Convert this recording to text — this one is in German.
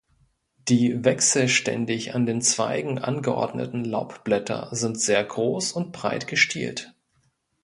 Die wechselständig an den Zweigen angeordneten Laubblätter sind sehr groß und breit gestielt.